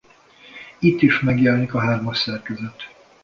Itt is megjelenik a hármas szerkezet.